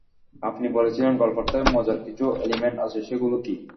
আপনি বলছিলেন গল্পটাতে মজার কিছু এলিমেন্ট আছে, সেগুলো কী?